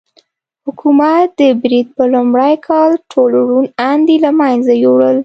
حکومت د برید په لومړي کال ټول روڼ اندي له منځه یووړل.